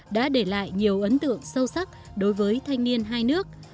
đã để lại nhiều ấn tượng sâu sắc đối với thanh niên hai nước